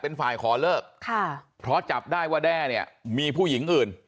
เป็นฝ่ายขอเลิกค่ะเพราะจับได้ว่าแด้เนี่ยมีผู้หญิงอื่น